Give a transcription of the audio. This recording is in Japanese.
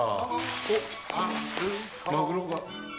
おっマグロが。